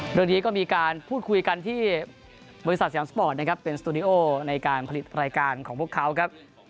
เรื่องนี้ก็มีการพูดคุยกันที่บริษัทสยามสปอร์ตนะครับเป็นสตูดิโอในการผลิตรายการของพวกเขาครับ